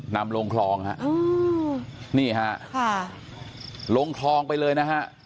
นำลงคลองฮะนี่ฮะค่ะลงคลองไปเลยนะฮะ